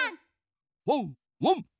ワンワン！